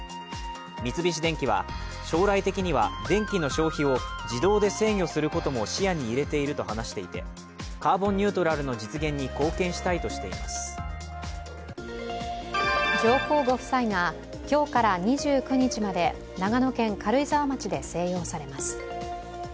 三菱電機は、将来的には電気の消費を自動で制御することも視野に入れていると話していてカーボンニュートラルの実現に上皇ご夫妻が今日から２９日まで長野県軽井沢町で静養されます。